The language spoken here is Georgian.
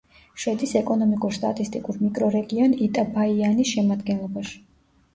შედის ეკონომიკურ-სტატისტიკურ მიკრორეგიონ იტაბაიანის შემადგენლობაში.